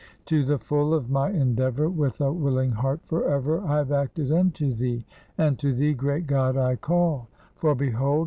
To the full of my endeavor, With a wilKng heart forever, I have acted unto thee. And to thee, great God, I call; For behold!